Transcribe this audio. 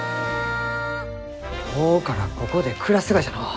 今日からここで暮らすがじゃのう。